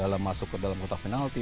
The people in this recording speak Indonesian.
dalam masuk ke dalam kotak penalti